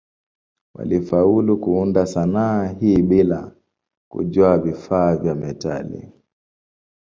Walifaulu kuunda sanaa hii bila kujua vifaa vya metali.